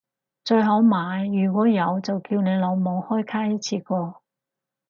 最好買如果有就叫你老母開卡一次過